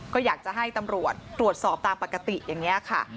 ก็อยากจะให้ตำรวจตรวจสอบตามปกติอย่างนี้ค่ะ